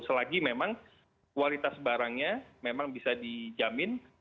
selagi memang kualitas barangnya memang bisa dijamin dalam kebutuhan